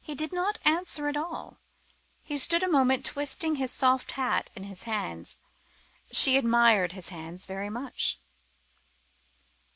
He did not answer at all. He stood a moment twisting his soft hat in his hands: she admired his hands very much.